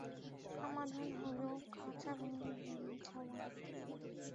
সমাধান হলো খাচা ভেঙে বেড়িয়ে যাওয়া।